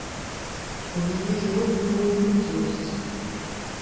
У мяне ж родны мой унук ёсць!